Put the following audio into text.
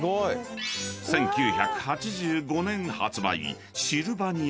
［１９８５年発売］